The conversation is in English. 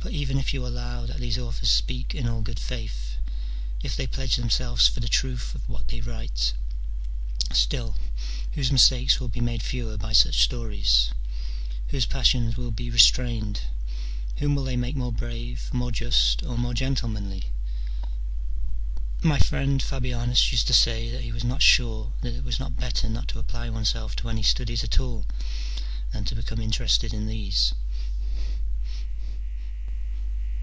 for even if you allow that these authors speak in all good faith, if they pledge themselves for the truth of what they write, still, whose mistakes will be made fewer by such stories ? whose passions will be restrained ? whom will they make more brave, more just, or more gentlemanly ? My friend Fabianus used to say that he was not sure that it was not better not to apply oneself to any studies at all than to become interested in these.